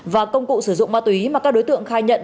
và công cụ sử dụng ma túy mà các đối tượng khai nhận